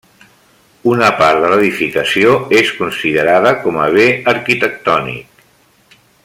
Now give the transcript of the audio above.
Una part de l'edificació és considerada com a bé arquitectònic.